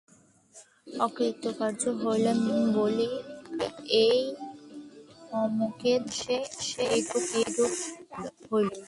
অকৃতকার্য হইলেই বলি, এই অমুকের দোষে এইরূপ হইল।